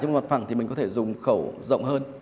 nhưng mặt phẳng thì mình có thể dùng khẩu rộng hơn